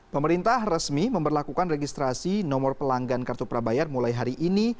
pemerintah resmi memperlakukan registrasi nomor pelanggan kartu prabayar mulai hari ini